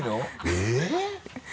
えっ？